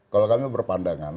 kalau kami berpandangan